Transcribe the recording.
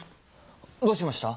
どうしました？